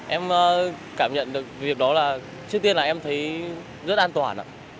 em cảm nhận được việc đó là trước tiên là em thấy rất an toàn ạ